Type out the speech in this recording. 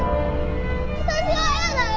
私は嫌だよ！